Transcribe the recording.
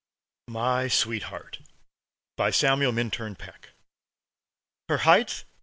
MY SWEETHEART BY SAMUEL MINTURN PECK Her height?